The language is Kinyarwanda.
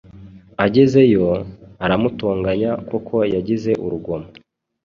Agezeyo, aramutonganya kuko yagize urugomo,